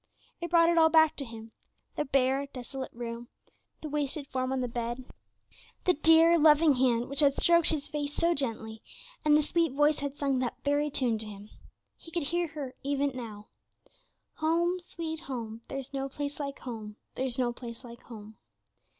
It brought it all back to him; the bare, desolate room, the wasted form on the bed, the dear, loving hand which had stroked his face so gently, and the sweet voice had sung that very tune to him. He could hear her, even now: "Home, sweet home, there's no place like home; there's no place like home."